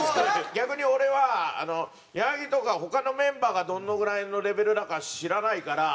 逆に俺は矢作とか他のメンバーがどのぐらいのレベルだか知らないから。